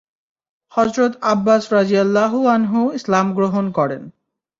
হযরত Abbas রাযিয়াল্লাহু আনহু ইসলাম গ্রহণ করেন।